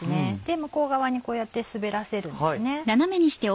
向こう側にこうやって滑らせるんですね。